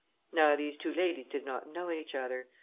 Now these two ladies did not know each other.